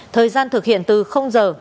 thời gian thực hiện từ h